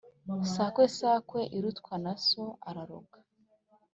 Sakwe sakwe irutwa na so araroga.